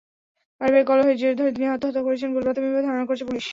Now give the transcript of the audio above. পারিবারিক কলহের জের ধরে তিনি আত্মহত্যা করেছেন বলে প্রাথমিকভাবে ধারণা করছে পুলিশ।